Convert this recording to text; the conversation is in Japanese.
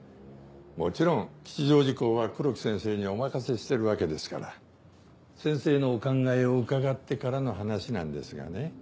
もちろん吉祥寺校は黒木先生にお任せしてるわけですから先生のお考えを伺ってからの話なんですがね。